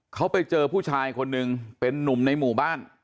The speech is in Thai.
เขาไปเจอผู้ชายคนหนึ่งเป็นนุ่มในหมู่บ้าน